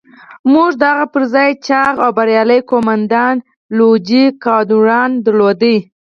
موږ د هغه پر ځای چاغ او بریالی قوماندان لويجي کادورنا درلود.